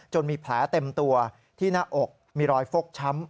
มีแผลเต็มตัวที่หน้าอกมีรอยฟกช้ำ